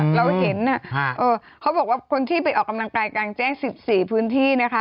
เราเห็นเขาบอกว่าคนที่ไปออกกำลังกายกลางแจ้ง๑๔พื้นที่นะคะ